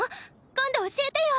今度教えてよ！